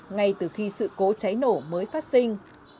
ngay từ khi sự cố cháy nổ mới phát sinh